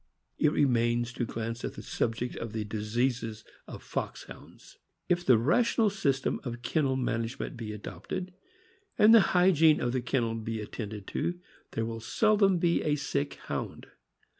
It remains to glance at the subject of the diseases of Foxhounds. If the rational system of kennel management be adopted, and the hygiene of the kennel be attended to, there will seldom be a sick Hound.